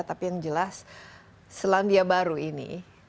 tapi yang jelas selandia baru ini